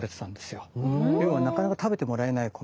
ようはなかなか食べてもらえないお米。